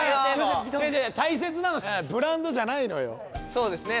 そうですね